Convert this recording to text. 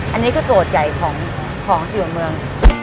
อันนี้ก็โจทย์ใหญ่ของสินค้าเมือง